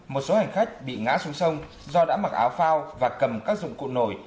một số hành khách bị ngã xuống sông do đã mặc áo phao và cầm các dụng cụ nổi